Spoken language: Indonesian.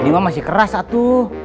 ini mah masih keras satu